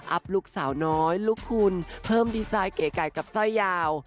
อัพลูกสาวน้อยลูกคุณเพิ่มดีไซน์เก๋กับเส้ายาว